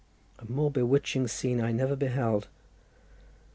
A more bewitching scene I never beheld.